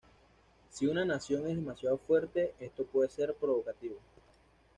Si una nación es demasiado fuerte, esto puede ser provocativo.